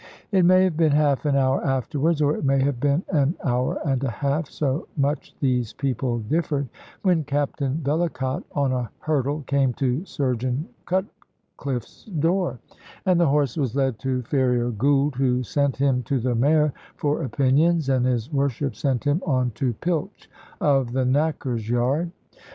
It may have been half an hour afterwards, or it may have been an hour and a half (so much these people differed), when Captain Vellacott on a hurdle came to Surgeon Cutcliffe's door, and the horse was led to Farrier Gould, who sent him to the mayor for opinions, and his worship sent him on to Pilch of the knacker's yard.